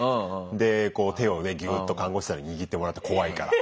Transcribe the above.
でこう手をねギュッと看護師さんに握ってもらって怖いから。